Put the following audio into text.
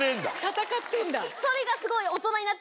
闘ってんだ。